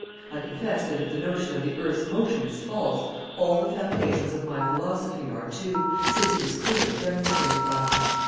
I confess that if the notion of the earth's motion is false, all the foundations of my philosophy are too, since it is clearly demonstrated by them.